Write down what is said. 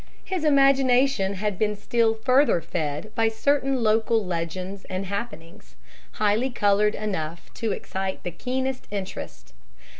His imagination had been still further fed by certain local legends and happenings, highly colored enough to excite the keenest interest.